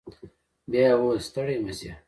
بيا يې وويل ستړي مه سئ.